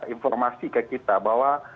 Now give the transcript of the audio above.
informasi ke kita bahwa